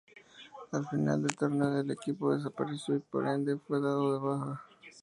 Al final del torneo el equipo desapareció, y por ende fue dado de baja.